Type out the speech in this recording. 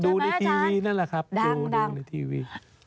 โดนมาอาจารย์นั่นแหละครับยูนีทีวีดัง